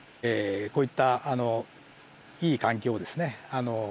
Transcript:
こういったいい環境をですね